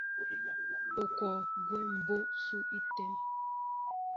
U kɔɔ kwón mbǒ sʉ́ ítə́ŋ?